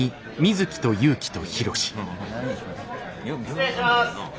失礼します！